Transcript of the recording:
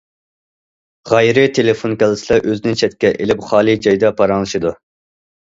غەيرىي تېلېفون كەلسىلا ئۆزىنى چەتكە ئېلىپ خالىي جايدا پاراڭلىشىدۇ.